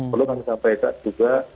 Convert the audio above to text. perlu kami sampaikan juga